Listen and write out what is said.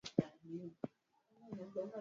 Kuondoa tope na samadi kwenye maboma